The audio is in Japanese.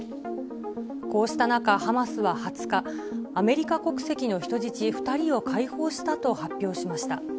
こうした中、ハマスは２０日、アメリカ国籍の人質２人を解放したと発表しました。